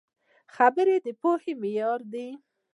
خبرې د پوهې معیار دي